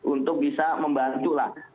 untuk bisa membantu lah